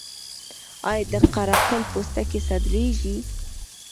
آیا د قره قل پوستکي صادریږي؟